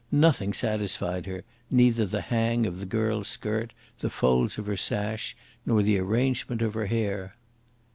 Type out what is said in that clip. Nothing satisfied her, neither the hang of the girl's skirt, the folds of her sash, nor the arrangement of her hair.